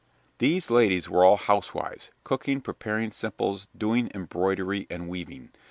These ladies were all housewives, cooking, preparing simples, doing embroidery and weaving.